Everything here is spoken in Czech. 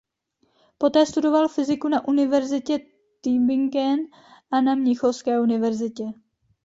Poté studoval fyziku na univerzitě Tübingen a na Mnichovské univerzitě.